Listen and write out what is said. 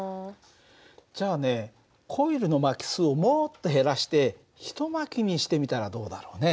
じゃあねコイルの巻き数をもっと減らして一巻きにしてみたらどうだろうね。